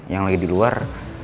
yang lagi di luar